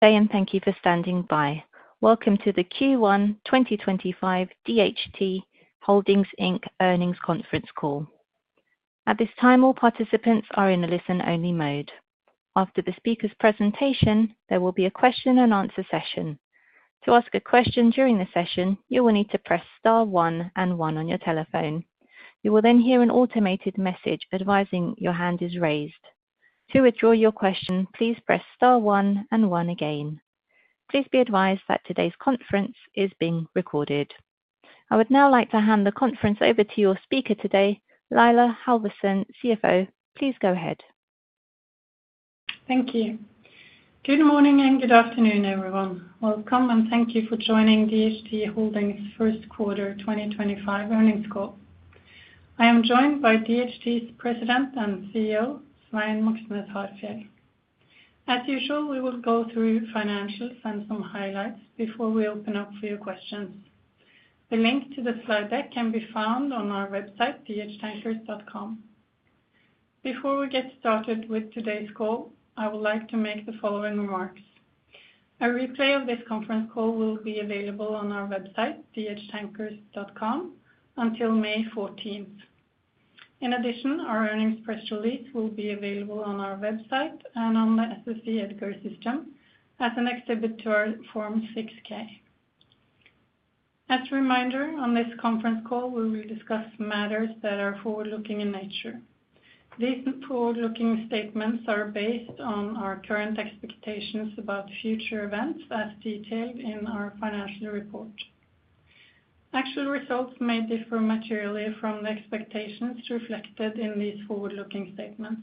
Thank you for standing by. Welcome to the Q1 2025 DHT Holdings Earnings Conference Call. At this time, all participants are in a listen-only mode. After the speaker's presentation, there will be a question-and-answer session. To ask a question during the session, you will need to press star one and one on your telephone. You will then hear an automated message advising your hand is raised. To withdraw your question, please press star one and one again. Please be advised that today's conference is being recorded. I would now like to hand the conference over to your speaker today, Laila Halvorsen, CFO. Please go ahead. Thank you. Good morning and good afternoon, everyone. Welcome, and thank you for joining DHT Holdings' First Quarter 2025 Earnings Call. I am joined by DHT's President and CEO, Svein Moxnes Harfjeld. As usual, we will go through financials and some highlights before we open up for your questions. The link to the slide deck can be found on our website, dhtankers.com. Before we get started with today's call, I would like to make the following remarks. A replay of this conference call will be available on our website, dhtankers.com, until May 14th. In addition, our earnings press release will be available on our website and on the SEC EDGAR system as an exhibit to our Form 6K. As a reminder, on this conference call, we will discuss matters that are forward-looking in nature. These forward-looking statements are based on our current expectations about future events, as detailed in our financial report. Actual results may differ materially from the expectations reflected in these forward-looking statements.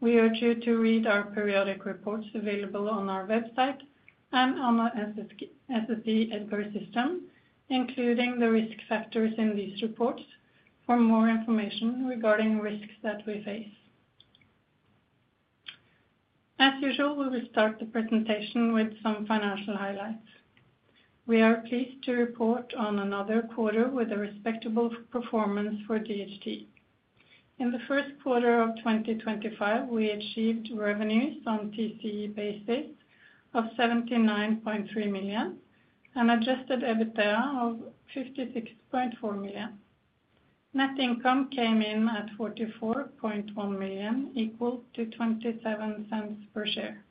We urge you to read our periodic reports available on our website and on the SEC EDGAR system, including the risk factors in these reports, for more information regarding risks that we face. As usual, we will start the presentation with some financial highlights. We are pleased to report on another quarter with a respectable performance for DHT. In the first quarter of 2025, we achieved revenues on TCE basis of $79.3 million and adjusted EBITDA of $56.4 million. Net income came in at $44.1 million, equal to $0.27 per share.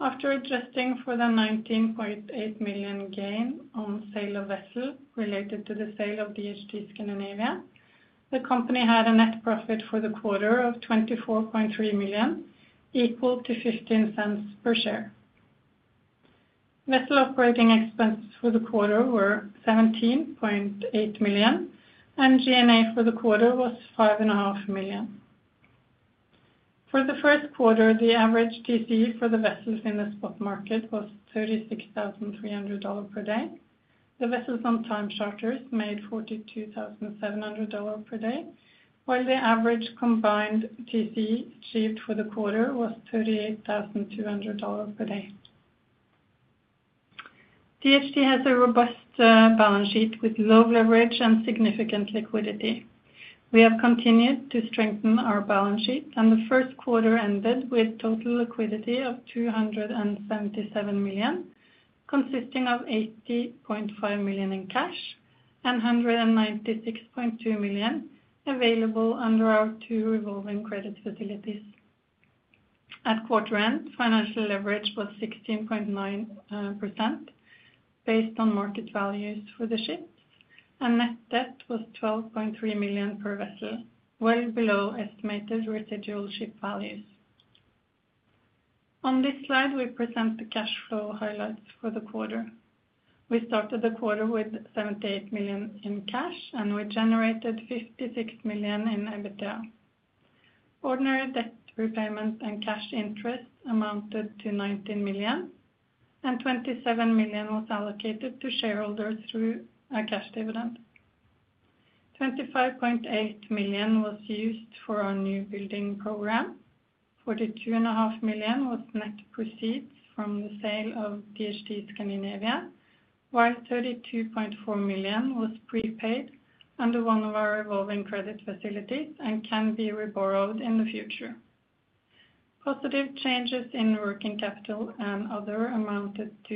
After adjusting for the $19.8 million gain on sale of vessel related to the sale of DHT Scandinavia, the company had a net profit for the quarter of $24.3 million, equal to $0.15 per share. Vessel operating expenses for the quarter were $17.8 million, and G&A for the quarter was $5.5 million. For the first quarter, the average TCE for the vessels in the spot market was $36,300 per day. The vessels on time charters made $42,700 per day, while the average combined TCE achieved for the quarter was $38,200 per day. DHT has a robust balance sheet with low leverage and significant liquidity. We have continued to strengthen our balance sheet, and the first quarter ended with total liquidity of $277 million, consisting of $80.5 million in cash and $196.2 million available under our two revolving credit facilities. At quarter end, financial leverage was 16.9% based on market values for the ships, and net debt was $12.3 million per vessel, well below estimated residual ship values. On this slide, we present the cash flow highlights for the quarter. We started the quarter with $78 million in cash, and we generated $56 million in EBITDA. Ordinary debt repayment and cash interest amounted to $19 million, and $27 million was allocated to shareholders through a cash dividend. $25.8 million was used for our new building program. $42.5 million was net proceeds from the sale of DHT Scandinavia, while $32.4 million was prepaid under one of our revolving credit facilities and can be reborrowed in the future. Positive changes in working capital and other amounted to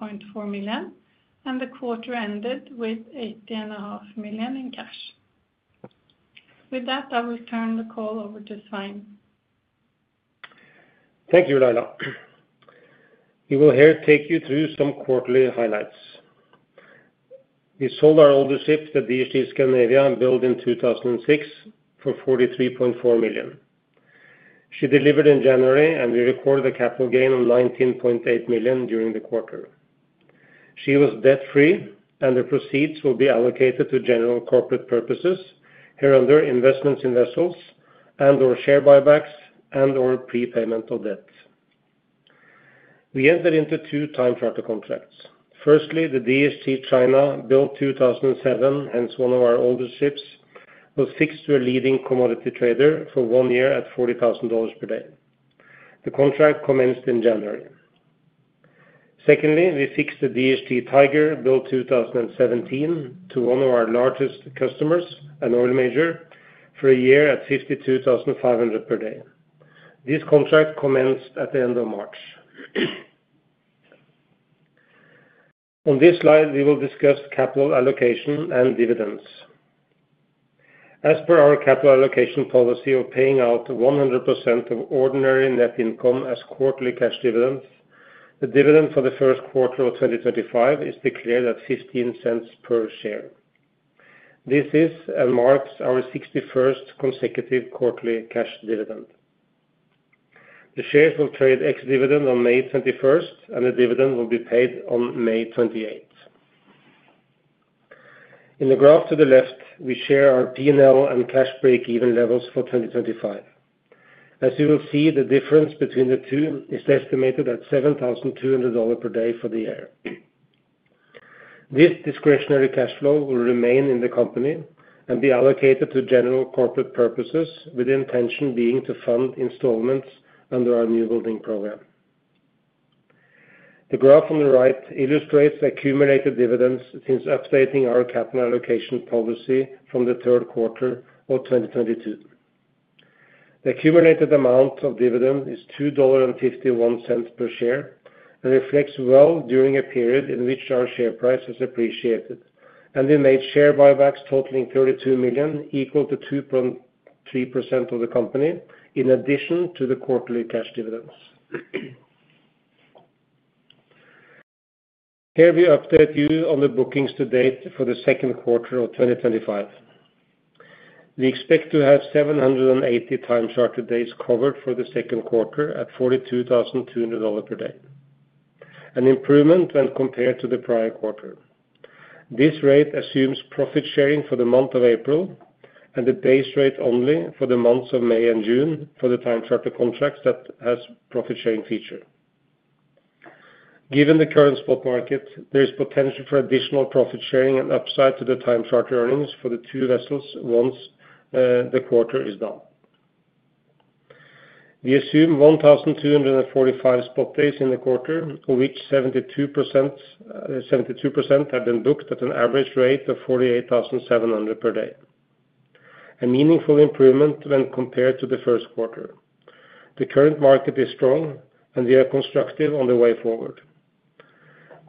$8.4 million, and the quarter ended with $80.5 million in cash. With that, I will turn the call over to Svein. Thank you, Laila. We will here take you through some quarterly highlights. We sold our oldest ship, the DHT Scandinavia, built in 2006, for $43.4 million. She delivered in January, and we recorded a capital gain of $19.8 million during the quarter. She was debt-free, and the proceeds will be allocated to general corporate purposes, hereunder investments in vessels and/or share buybacks and/or prepayment of debt. We entered into two time charter contracts. Firstly, the DHT China, built 2007, hence one of our oldest ships, was fixed to a leading commodity trader for one year at $40,000 per day. The contract commenced in January. Secondly, we fixed the DHT Tiger, built 2017, to one of our largest customers, an oil major, for a year at $52,500 per day. This contract commenced at the end of March. On this slide, we will discuss capital allocation and dividends. As per our capital allocation policy of paying out 100% of ordinary net income as quarterly cash dividends, the dividend for the first quarter of 2025 is declared at $0.15 per share. This marks our 61st consecutive quarterly cash dividend. The shares will trade ex-dividend on May 21st, and the dividend will be paid on May 28th. In the graph to the left, we share our P&L and cash break-even levels for 2025. As you will see, the difference between the two is estimated at $7,200 per day for the year. This discretionary cash flow will remain in the company and be allocated to general corporate purposes, with the intention being to fund installments under our new building program. The graph on the right illustrates accumulated dividends since updating our capital allocation policy from the third quarter of 2022. The accumulated amount of dividend is $2.51 per share and reflects well during a period in which our share price has appreciated, and we made share buybacks totaling $32 million, equal to 2.3% of the company, in addition to the quarterly cash dividends. Here we update you on the bookings to date for the second quarter of 2025. We expect to have 780 time charter days covered for the second quarter at $42,200 per day, an improvement when compared to the prior quarter. This rate assumes profit sharing for the month of April and the base rate only for the months of May and June for the time charter contracts that have profit sharing feature. Given the current spot market, there is potential for additional profit sharing and upside to the time charter earnings for the two vessels once the quarter is done. We assume 1,245 spot days in the quarter, of which 72% have been booked at an average rate of $48,700 per day. A meaningful improvement when compared to the first quarter. The current market is strong, and we are constructive on the way forward.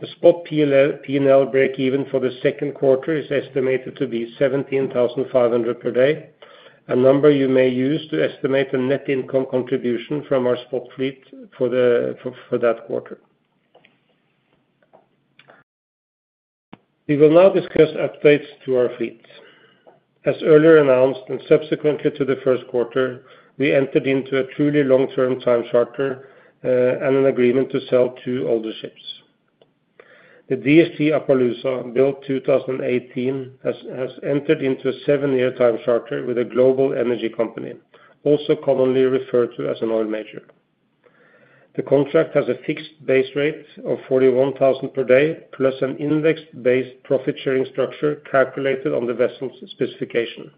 The spot P&L break-even for the second quarter is estimated to be $17,500 per day, a number you may use to estimate the net income contribution from our spot fleet for that quarter. We will now discuss updates to our fleet. As earlier announced and subsequently to the first quarter, we entered into a truly long-term time charter and an agreement to sell two older ships. The DHT Appaloosa, built 2018, has entered into a seven-year time charter with a global energy company, also commonly referred to as an oil major. The contract has a fixed base rate of $41,000 per day, plus an index-based profit sharing structure calculated on the vessel's specification.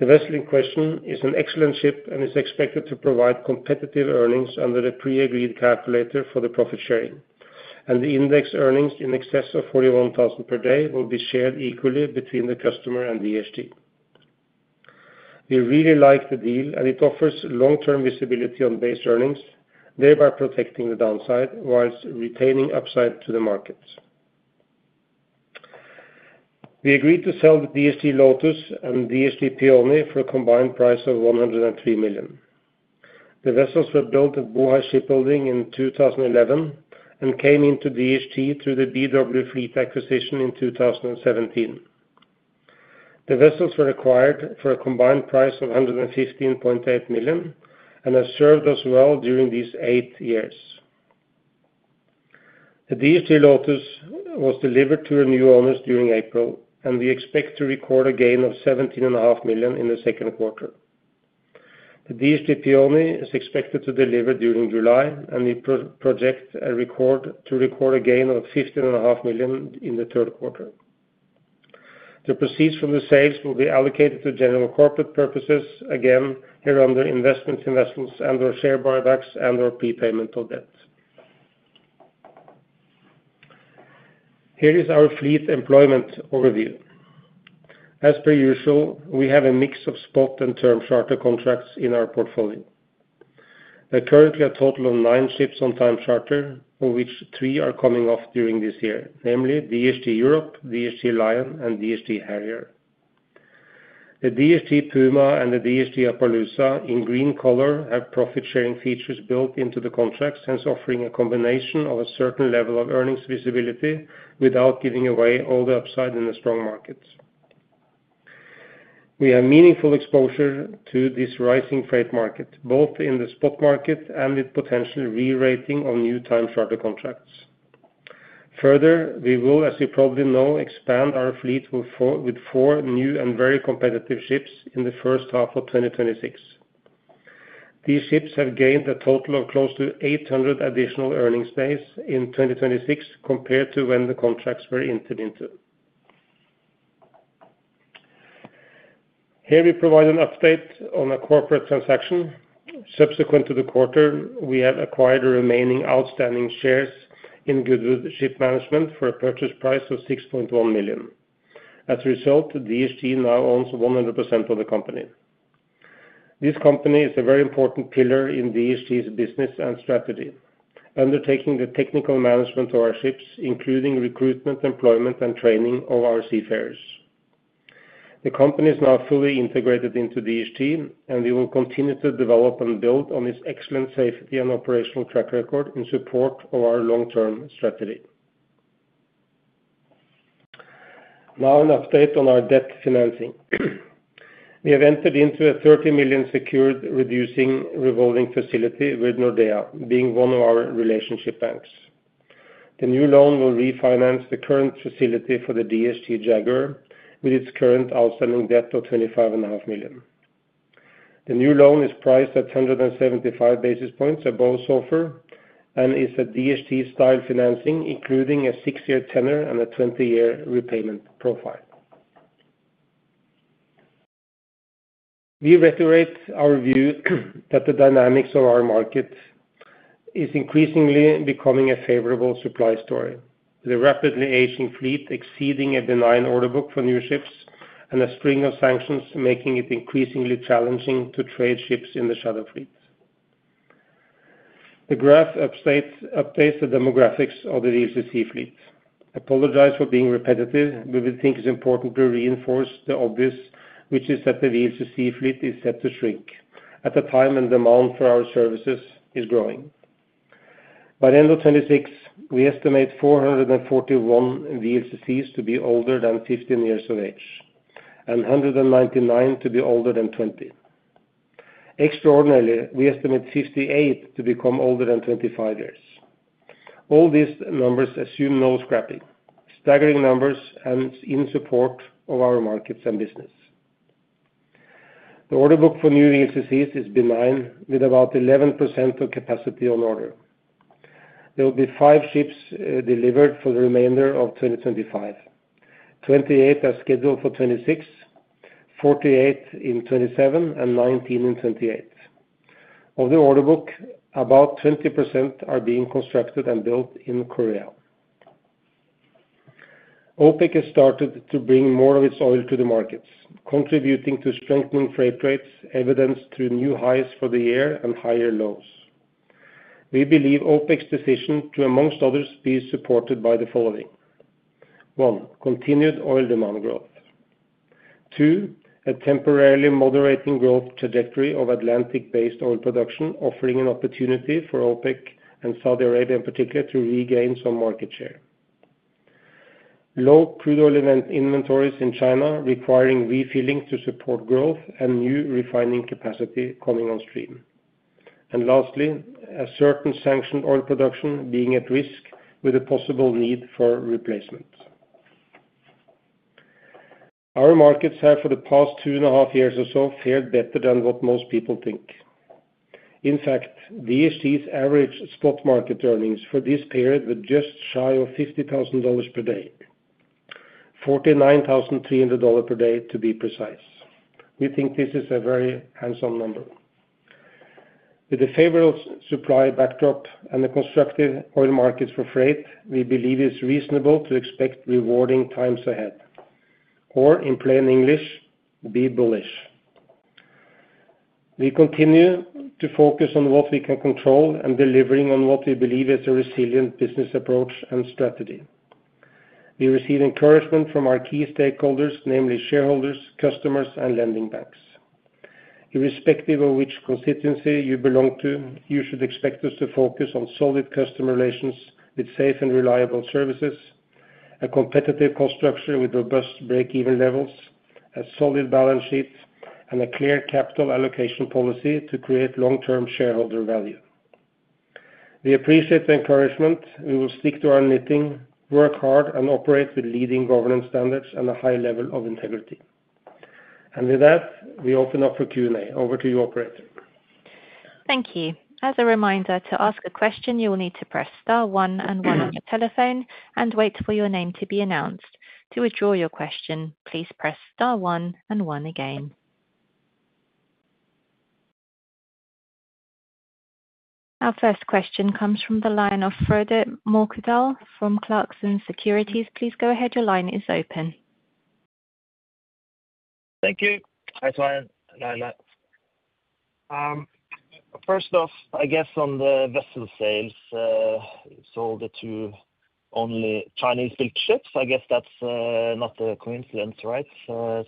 The vessel in question is an excellent ship and is expected to provide competitive earnings under the pre-agreed calculator for the profit sharing, and the index earnings in excess of $41,000 per day will be shared equally between the customer and DHT. We really like the deal, and it offers long-term visibility on base earnings, thereby protecting the downside whilst retaining upside to the market. We agreed to sell the DHT Lotus and DHT Peony for a combined price of $103 million. The vessels were built at Bohai Shipbuilding in 2011 and came into DHT through the BW Fleet acquisition in 2017. The vessels were acquired for a combined price of $115.8 million and have served us well during these eight years. The DHT Lotus was delivered to our new owners during April, and we expect to record a gain of $17.5 million in the second quarter. The DHT Peony is expected to deliver during July, and we project to record a gain of $15.5 million in the third quarter. The proceeds from the sales will be allocated to general corporate purposes, again hereunder investments in vessels and/or share buybacks and/or prepayment of debt. Here is our fleet employment overview. As per usual, we have a mix of spot and term charter contracts in our portfolio. There are currently a total of nine ships on time charter, of which three are coming off during this year, namely DHT Europe, DHT Lion, and DHT Harrier. The DHT Puma and the DHT Appaloosa, in green color, have profit sharing features built into the contracts, hence offering a combination of a certain level of earnings visibility without giving away all the upside in the strong markets. We have meaningful exposure to this rising freight market, both in the spot market and with potential re-rating of new time charter contracts. Further, we will, as you probably know, expand our fleet with four new and very competitive ships in the first half of 2026. These ships have gained a total of close to 800 additional earnings days in 2026 compared to when the contracts were entered into. Here we provide an update on a corporate transaction. Subsequent to the quarter, we have acquired the remaining outstanding shares in Goodwood Ship Management for a purchase price of $6.1 million. As a result, DHT now owns 100% of the company. This company is a very important pillar in DHT's business and strategy, undertaking the technical management of our ships, including recruitment, employment, and training of our seafarers. The company is now fully integrated into DHT, and we will continue to develop and build on its excellent safety and operational track record in support of our long-term strategy. Now, an update on our debt financing. We have entered into a $30 million secured reducing revolving facility with Nordea, being one of our relationship banks. The new loan will refinance the current facility for the DHT Jaguar, with its current outstanding debt of $25.5 million. The new loan is priced at 175 basis points above SOFR and is a DHT-style financing, including a six-year tenor and a 20-year repayment profile. We reiterate our view that the dynamics of our market is increasingly becoming a favorable supply story, with a rapidly aging fleet exceeding a benign order book for new ships and a string of sanctions making it increasingly challenging to trade ships in the shadow fleet. The graph updates the demographics of the VLCC fleet. Apologize for being repetitive, but we think it's important to reinforce the obvious, which is that the VLCC fleet is set to shrink at a time when demand for our services is growing. By the end of 2026, we estimate 441 VLCCs to be older than 15 years of age and 199 to be older than 20. Extraordinarily, we estimate 58 to become older than 25 years. All these numbers assume no scrapping, staggering numbers and in support of our markets and business. The order book for new VLCCs is benign, with about 11% of capacity on order. There will be five ships delivered for the remainder of 2025. Twenty-eight are scheduled for 2026, 48 in 2027, and 19 in 2028. Of the order book, about 20% are being constructed and built in Korea. OPEC has started to bring more of its oil to the markets, contributing to strengthening freight rates, evidenced through new highs for the year and higher lows. We believe OPEC's decision to, amongst others, be supported by the following: 1. Continued oil demand growth. 2. A temporarily moderating growth trajectory of Atlantic-based oil production, offering an opportunity for OPEC and Saudi Arabia, in particular, to regain some market share. Low crude oil inventories in China requiring refilling to support growth and new refining capacity coming on stream. Lastly, a certain sanctioned oil production being at risk with a possible need for replacement. Our markets have for the past two and a half years or so fared better than what most people think. In fact, DHT's average spot market earnings for this period were just shy of $50,000 per day, $49,300 per day to be precise. We think this is a very handsome number. With the favorable supply backdrop and the constructive oil markets for freight, we believe it is reasonable to expect rewarding times ahead, or in plain English, be bullish. We continue to focus on what we can control and delivering on what we believe is a resilient business approach and strategy. We receive encouragement from our key stakeholders, namely shareholders, customers, and lending banks. Irrespective of which constituency you belong to, you should expect us to focus on solid customer relations with safe and reliable services, a competitive cost structure with robust break-even levels, a solid balance sheet, and a clear capital allocation policy to create long-term shareholder value. We appreciate the encouragement. We will stick to our knitting, work hard, and operate with leading governance standards and a high level of integrity. With that, we open up for Q&A. Over to you, Operator. Thank you. As a reminder, to ask a question, you will need to press star one and one on your telephone and wait for your name to be announced. To withdraw your question, please press star one and one again. Our first question comes from the line of Frode Mørkedal from Clarkson Securities. Please go ahead. Your line is open. Thank you. Hi, Svein. First off, I guess on the vessel sales, it sold to only Chinese-built ships. I guess that's not a coincidence, right?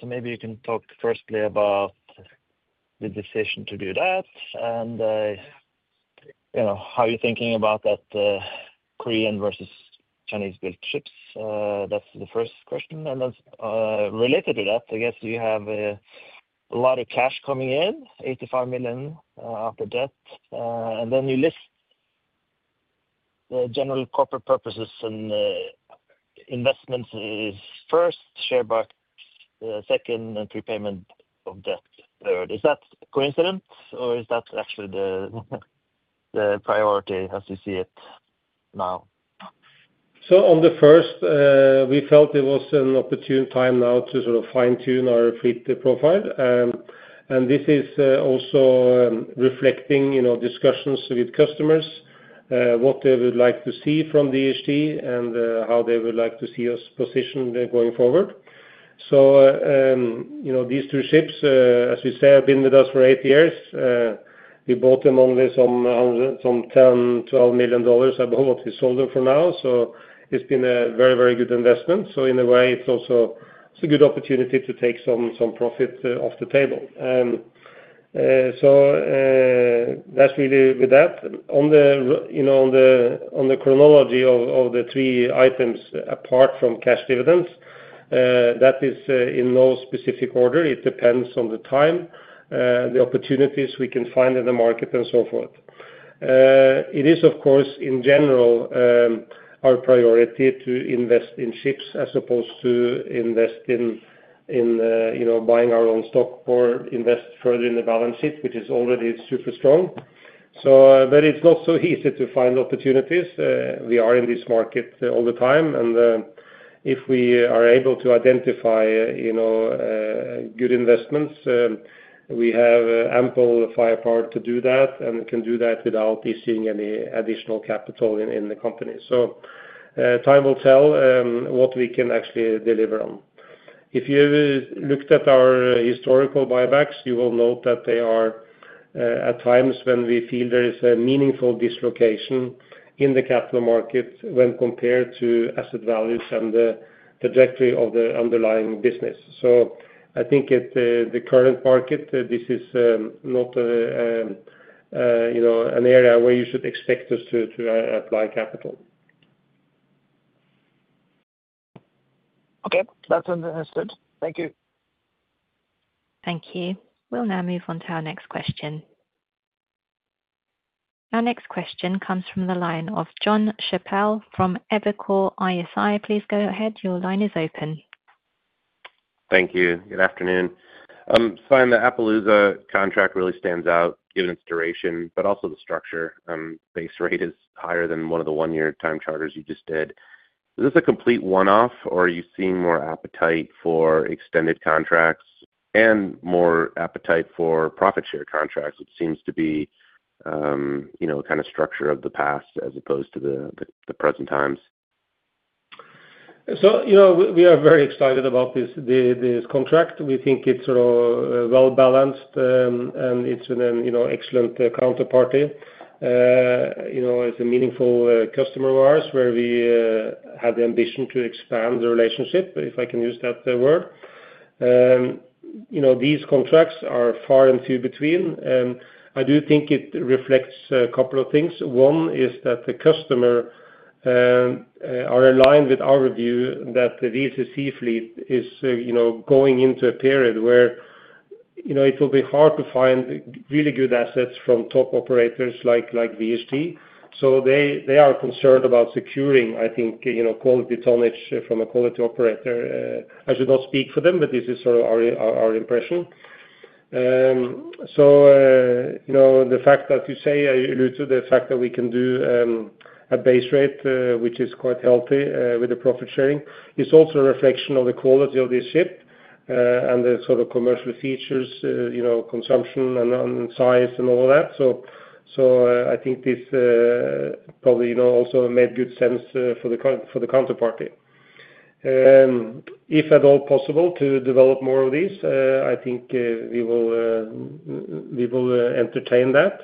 Maybe you can talk firstly about the decision to do that and how you're thinking about that Korean versus Chinese-built ships. That's the first question. Related to that, I guess you have a lot of cash coming in, $85 million after debt. You list the general corporate purposes and investments as first, share buybacks second, and prepayment of debt third. Is that coincident, or is that actually the priority as you see it now? On the first, we felt it was an opportune time now to sort of fine-tune our fleet profile. This is also reflecting discussions with customers, what they would like to see from DHT and how they would like to see us positioned going forward. These two ships, as we say, have been with us for eight years. We bought them only some $10 million, $12 million, I believe, what we sold them for now. It's been a very, very good investment. In a way, it's also a good opportunity to take some profit off the table. That's really with that. On the chronology of the three items, apart from cash dividends, that is in no specific order. It depends on the time, the opportunities we can find in the market, and so forth. It is, of course, in general, our priority to invest in ships as opposed to invest in buying our own stock or invest further in the balance sheet, which is already super strong. It's not so easy to find opportunities. We are in this market all the time. If we are able to identify good investments, we have ample firepower to do that and can do that without issuing any additional capital in the company. Time will tell what we can actually deliver on. If you looked at our historical buybacks, you will note that they are at times when we feel there is a meaningful dislocation in the capital market when compared to asset values and the trajectory of the underlying business. I think in the current market, this is not an area where you should expect us to apply capital. Okay. That's understood. Thank you. Thank you. We'll now move on to our next question. Our next question comes from the line of Jon Chappell from Evercore ISI. Please go ahead. Your line is open. Thank you. Good afternoon. Svein, the Appaloosa contract really stands out given its duration, but also the structure. Base rate is higher than one of the one-year time charters you just did. Is this a complete one-off, or are you seeing more appetite for extended contracts and more appetite for profit share contracts, which seems to be kind of structure of the past as opposed to the present times? We are very excited about this contract. We think it's sort of well-balanced, and it's an excellent counterparty. It's a meaningful customer of ours where we have the ambition to expand the relationship, if I can use that word. These contracts are far and few between. I do think it reflects a couple of things. One is that the customer are aligned with our view that the VLCC fleet is going into a period where it will be hard to find really good assets from top operators like DHT. They are concerned about securing, I think, quality tonnage from a quality operator. I should not speak for them, but this is sort of our impression. The fact that you say, I allude to the fact that we can do a base rate, which is quite healthy with the profit sharing, is also a reflection of the quality of this ship and the sort of commercial features, consumption, and size, and all of that. I think this probably also made good sense for the counterparty. If at all possible to develop more of these, I think we will entertain that.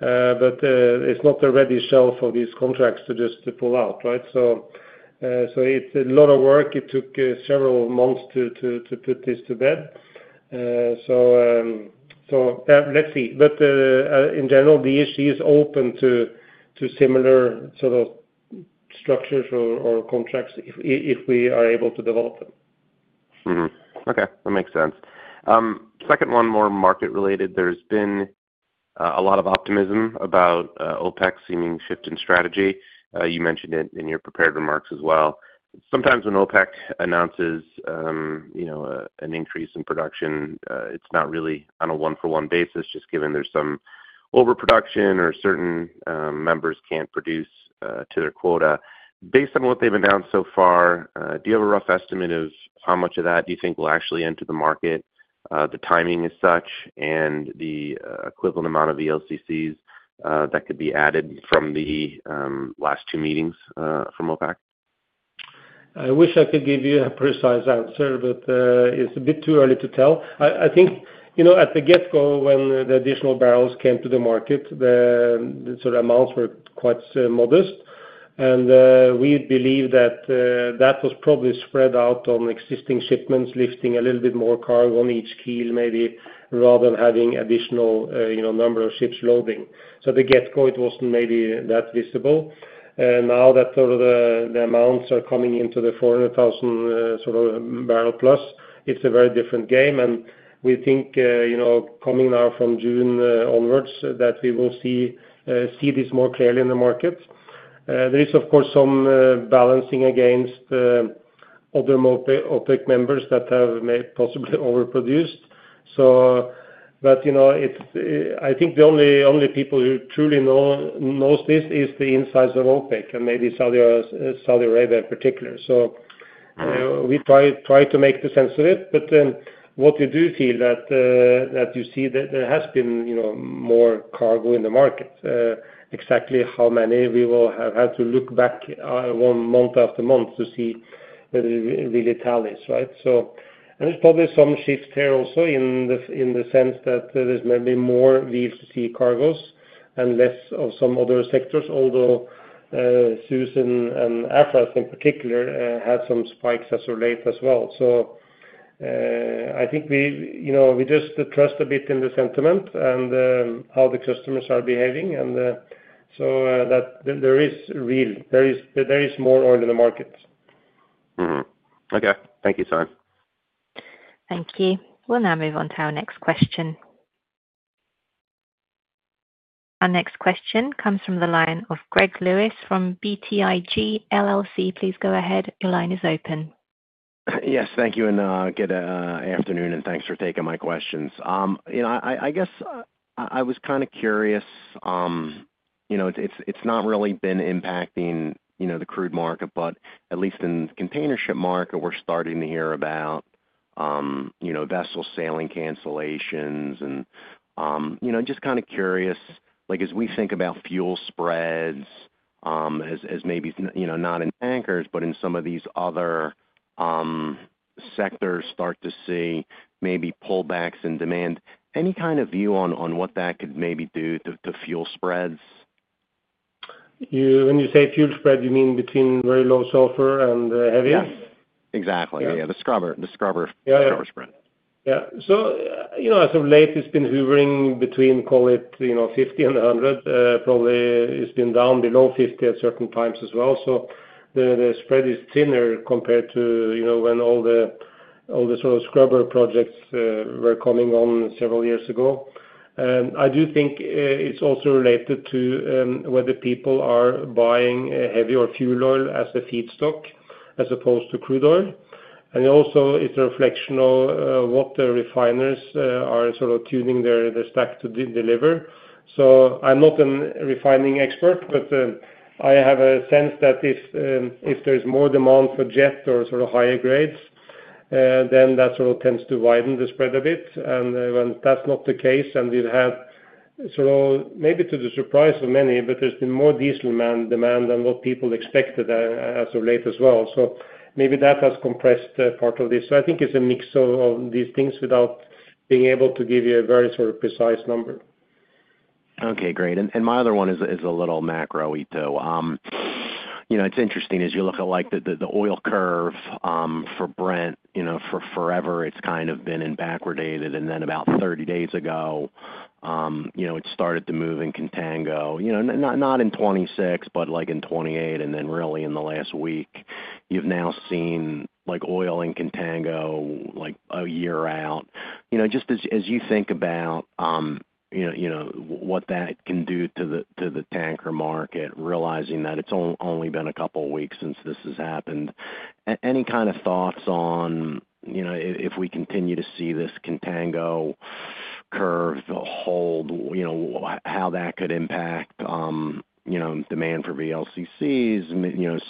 It is not a ready shelf of these contracts to just pull out, right? It is a lot of work. It took several months to put this to bed. Let's see. In general, DHT is open to similar sort of structures or contracts if we are able to develop them. Okay. That makes sense. Second, one more market-related. There has been a lot of optimism about OPEC's seeming shift in strategy. You mentioned it in your prepared remarks as well. Sometimes when OPEC announces an increase in production, it is not really on a one-for-one basis, just given there is some overproduction or certain members cannot produce to their quota. Based on what they have announced so far, do you have a rough estimate of how much of that you think will actually enter the market, the timing as such, and the equivalent amount of VLCCs that could be added from the last two meetings from OPEC? I wish I could give you a precise answer, but it is a bit too early to tell. I think at the get-go, when the additional barrels came to the market, the sort of amounts were quite modest. And we believe that that was probably spread out on existing shipments, lifting a little bit more cargo on each keel, maybe, rather than having additional number of ships loading. So at the get-go, it was not maybe that visible. Now that the amounts are coming into the 400,000 sort of barrel plus, it is a very different game. And we think coming now from June onwards that we will see this more clearly in the market. There is, of course, some balancing against other OPEC members that have possibly overproduced. But I think the only people who truly know this is the insides of OPEC and maybe Saudi Arabia in particular. So we try to make the sense of it. What we do feel is that you see that there has been more cargo in the market. Exactly how many, we will have to look back month after month to see whether it really tells, right? There is probably some shift here also in the sense that there is maybe more VLCC cargos and less of some other sectors, although Suezmax and Afras in particular had some spikes as of late as well. I think we just trust a bit in the sentiment and how the customers are behaving. There is more oil in the market. Okay. Thank you, Svein. Thank you. We'll now move on to our next question. Our next question comes from the line of Greg Lewis from BTIG LLC. Please go ahead. Your line is open. Yes. Thank you. Good afternoon, and thanks for taking my questions. I guess I was kind of curious. It's not really been impacting the crude market, but at least in the container ship market, we're starting to hear about vessel sailing cancellations. Just kind of curious, as we think about fuel spreads, as maybe not in tankers, but in some of these other sectors, start to see maybe pullbacks in demand. Any kind of view on what that could maybe do to fuel spreads? When you say fuel spread, you mean between very low sulfur and heavy? Yes. Exactly. Yeah. The scrubber spread. Yeah. As of late, it's been hovering between, call it, 50 and 100. Probably it's been down below 50 at certain times as well. The spread is thinner compared to when all the sort of scrubber projects were coming on several years ago. I do think it's also related to whether people are buying heavy or fuel oil as a feedstock as opposed to crude oil. It is also a reflection of what the refiners are sort of tuning their stack to deliver. I'm not a refining expert, but I have a sense that if there's more demand for jet or sort of higher grades, then that sort of tends to widen the spread a bit. When that's not the case, and we've had sort of maybe to the surprise of many, but there's been more diesel demand than what people expected as of late as well. Maybe that has compressed part of this. I think it's a mix of these things without being able to give you a very sort of precise number. Okay. Great. My other one is a little macro-eto. It's interesting as you look at the oil curve for Brent. Forever, it's kind of been in backwardation. And then about 30 days ago, it started to move in contango. Not in 2026, but in 2028, and then really in the last week, you've now seen oil in contango a year out. Just as you think about what that can do to the tanker market, realizing that it's only been a couple of weeks since this has happened, any kind of thoughts on if we continue to see this contango curve hold, how that could impact demand for VLCCs,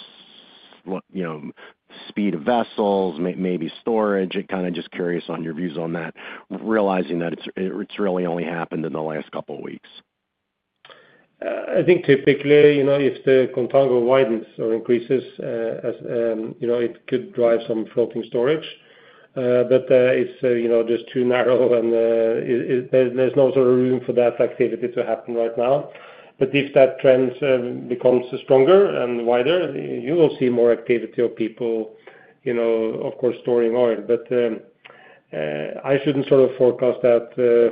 speed of vessels, maybe storage? Kind of just curious on your views on that, realizing that it's really only happened in the last couple of weeks. I think typically, if the contango widens or increases, it could drive some floating storage. It is just too narrow, and there is no sort of room for that activity to happen right now. If that trend becomes stronger and wider, you will see more activity of people, of course, storing oil. I should not sort of forecast that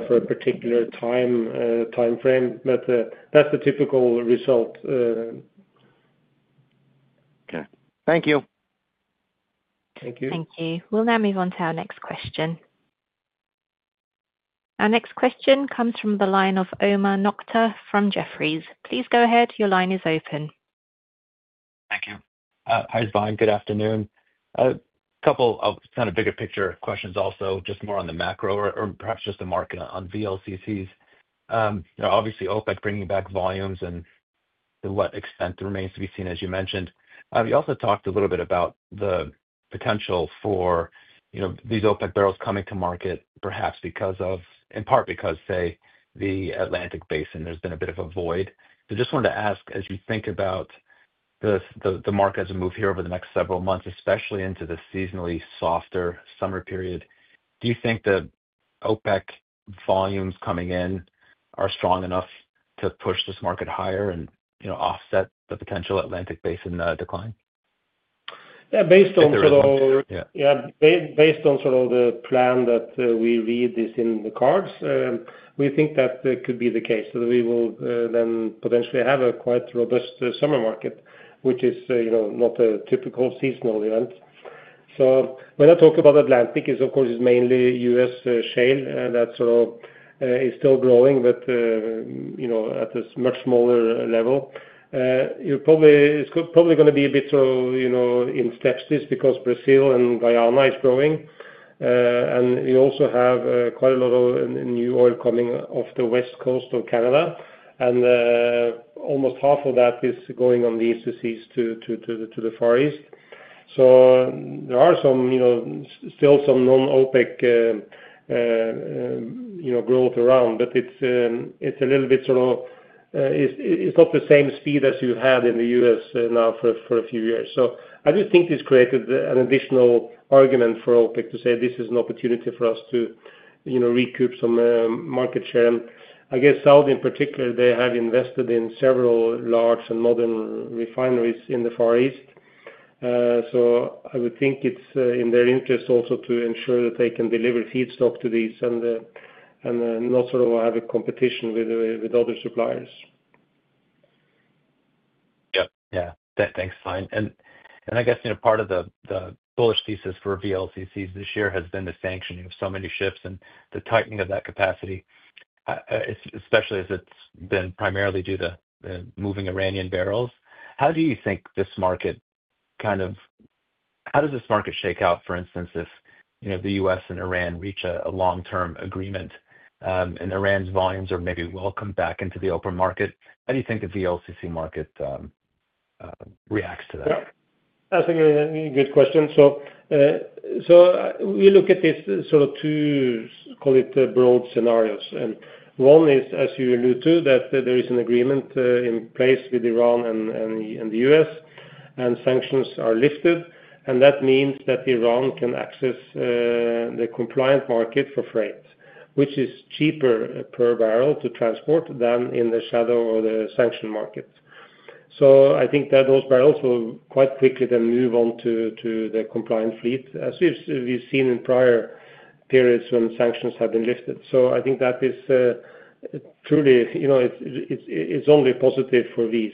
for a particular time frame, but that is the typical result. Okay. Thank you. Thank you. Thank you. We will now move on to our next question. Our next question comes from the line of Omar Nokta from Jefferies. Please go ahead. Your line is open. Thank you. Hi, Svein. Good afternoon. A couple of kind of bigger picture questions also, just more on the macro or perhaps just the market on VLCCs. Obviously, OPEC bringing back volumes and to what extent remains to be seen, as you mentioned. You also talked a little bit about the potential for these OPEC barrels coming to market, perhaps in part because, say, the Atlantic Basin, there's been a bit of a void. Just wanted to ask, as you think about the market as a move here over the next several months, especially into the seasonally softer summer period, do you think the OPEC volumes coming in are strong enough to push this market higher and offset the potential Atlantic Basin decline? Yeah. Based on sort of the plan that we read this in the cards, we think that could be the case. We will then potentially have a quite robust summer market, which is not a typical seasonal event. When I talk about Atlantic, of course, it's mainly US shale that sort of is still growing, but at a much smaller level. It's probably going to be a bit in steps because Brazil and Guyana is growing. And we also have quite a lot of new oil coming off the west coast of Canada. And almost half of that is going on VLCCs to the Far East. So there are still some non-OPEC growth around, but it's a little bit sort of it's not the same speed as you had in the U.S. now for a few years. I do think this created an additional argument for OPEC to say, "This is an opportunity for us to recoup some market share." I guess Saudi, in particular, they have invested in several large and modern refineries in the Far East. I would think it's in their interest also to ensure that they can deliver feedstock to these and not sort of have a competition with other suppliers. \ Yeah. Yeah. Thanks, Svein. I guess part of the bullish thesis for VLCCs this year has been the sanctioning of so many ships and the tightening of that capacity, especially as it's been primarily due to moving Iranian barrels. How do you think this market kind of, how does this market shake out, for instance, if the U.S. and Iran reach a long-term agreement and Iran's volumes are maybe welcomed back into the open market? How do you think the VLCC market reacts to that? That's a good question. We look at this sort of two, call it, broad scenarios. One is, as you alluded to, that there is an agreement in place with Iran and the U.S., and sanctions are lifted. That means that Iran can access the compliant market for freight, which is cheaper per barrel to transport than in the shadow or the sanctioned market. I think that those barrels will quite quickly then move on to the compliant fleet, as we've seen in prior periods when sanctions have been lifted. I think that is truly it's only positive for these.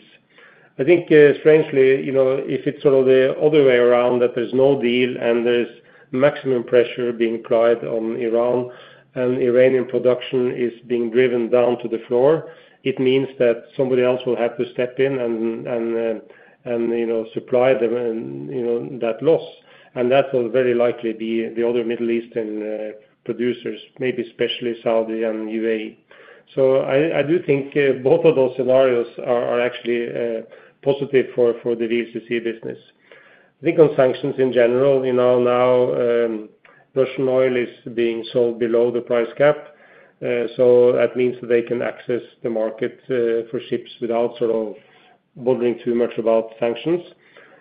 I think, strangely, if it's sort of the other way around, that there's no deal and there's maximum pressure being applied on Iran and Iranian production is being driven down to the floor, it means that somebody else will have to step in and supply that loss. That will very likely be the other Middle Eastern producers, maybe especially Saudi and UAE. I do think both of those scenarios are actually positive for the VLCC business. I think on sanctions in general, now Russian oil is being sold below the price cap. That means that they can access the market for ships without sort of wondering too much about sanctions.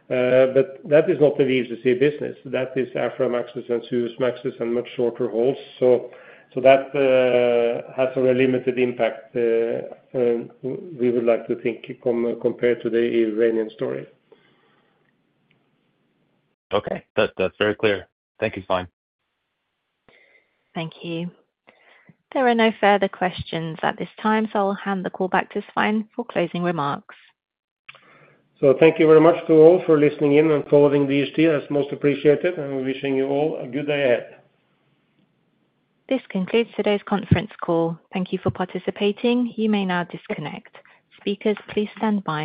That is not the VLCC business. That is Aframax and Suezmax and much shorter hauls. That has a very limited impact, we would like to think, compared to the Iranian story. Okay. That is very clear. Thank you, Svein. Thank you. There are no further questions at this time, so I will hand the call back to Svein for closing remarks. Thank you very much to all for listening in and following DHT. That is most appreciated. We are wishing you all a good day ahead. This concludes today's conference call. Thank you for participating. You may now disconnect. Speakers, please stand by.